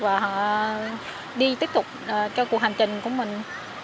và họ đi tiếp tục cho cuộc hành trình của mình